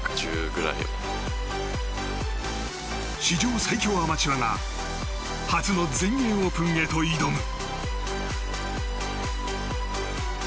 史上最強アマチュアが初の全英オープンへと挑む。